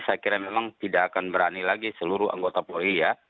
saya kira memang tidak akan berani lagi seluruh anggota polri ya